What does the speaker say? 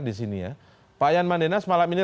di sini ya pak yan mandena semalam ini